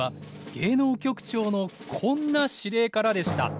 芸能局長のこんな指令からでした。